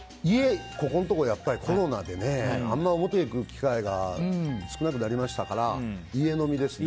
ここのところやっぱりコロナであまり表に行く機会が少なくなりましたから家飲みですね。